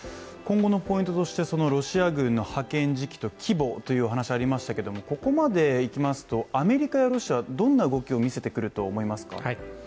今後のポイントとしてロシア軍の派遣時期と規模という話がありましたがここまでいきますと、アメリカやロシアはどんな動きを見せてくると思いますか？